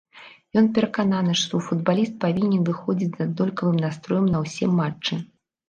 Ён перакананы, што футбаліст павінен выходзіць з аднолькавым настроем на ўсе матчы.